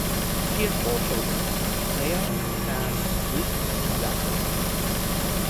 She has four children: Leah, Sam, Luke and Zachary.